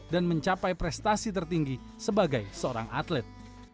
dan mencapai prestasi tertinggi sebagai seorang atlet